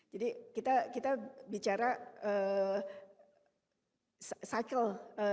jadi kita bicara cycle